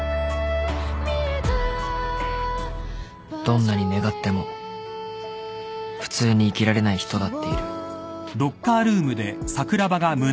［どんなに願っても普通に生きられない人だっている］